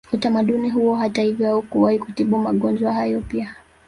Utamaduni huo hata hivyo haukuwahi kutibu magonjwa hayo pia